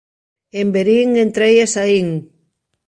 En Verín entrei e saín